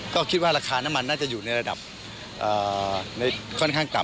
ก็คิดว่าราคาน้ำมันน่าจะอยู่ในระดับค่อนข้างต่ำ